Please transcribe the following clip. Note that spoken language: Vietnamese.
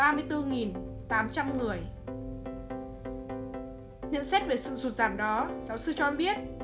nhận xét về sự rụt giảm đó giáo sư cho em biết